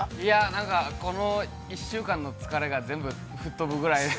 ◆なんかこの、１週間の疲れが、全部吹っ飛ぶぐらいの。